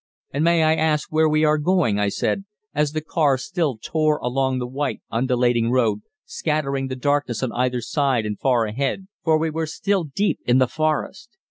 "And may I ask where we are going?" I said, as the car still tore along the white, undulating road, scattering the darkness on either side and far ahead, for we were still deep in the forest.